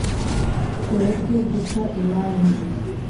Tureke guca imanza